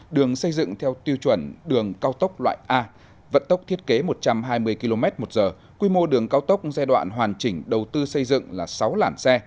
đường xây dựng theo tiêu chuẩn đường cao tốc loại a vận tốc thiết kế một trăm hai mươi km một giờ quy mô đường cao tốc giai đoạn hoàn chỉnh đầu tư xây dựng là sáu lãn xe